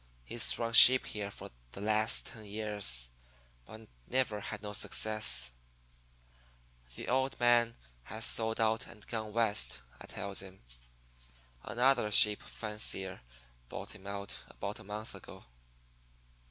He's run sheep here for the last ten years, but never had no success.' "'The old man has sold out and gone West,' I tells him. 'Another sheep fancier bought him out about a month ago.'